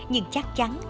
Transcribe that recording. nhưng chắc chắn